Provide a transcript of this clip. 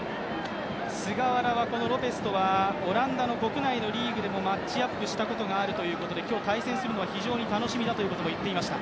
菅原はロペスとはオランダの国内のリーグでもマッチアップしたことがあるということで、今日、対戦するのは非常に楽しみだということを言っていました。